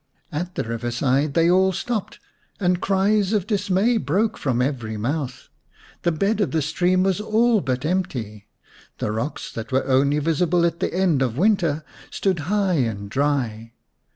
At the river side they all stopped, and cries of 80 The Serpent's Bride dismay broke from every mouth. The bed of the stream was all but empty, and rocks that were only visible at the end of winter stood high and dry.